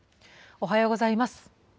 おはようございます。